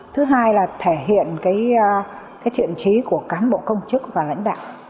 thứ hai là thể hiện cái thiện trí của cán bộ công chức và lãnh đạo